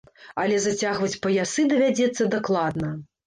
Але зацягваць паясы давядзецца дакладна.